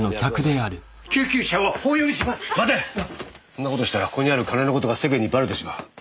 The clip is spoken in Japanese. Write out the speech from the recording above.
そんな事したらここにある金の事が世間にバレてしまう。